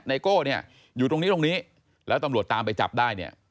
โก้เนี่ยอยู่ตรงนี้ตรงนี้แล้วตำรวจตามไปจับได้เนี่ย